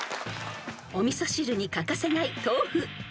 ［お味噌汁に欠かせない豆腐］